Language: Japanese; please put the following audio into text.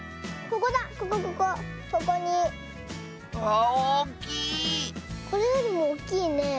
これよりもおっきいね。